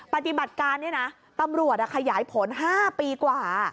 ปฏิบัติการนี้นะตำรวจขยายผล๕ปีกว่า